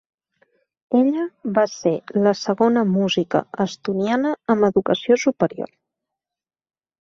Ella va ser la segona música estoniana amb educació superior.